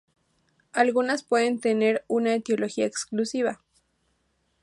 Algunas pueden tener una etiología exclusiva.